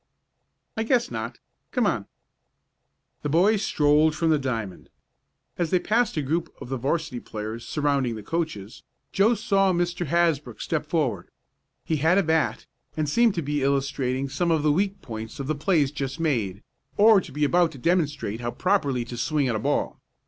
"I guess not. Come on." The boys strolled from the diamond. As they passed a group of the 'varsity players surrounding the coaches, Joe saw Mr. Hasbrook step forward. He had a bat and seemed to be illustrating some of the weak points of the plays just made, or to be about to demonstrate how properly to swing at a ball.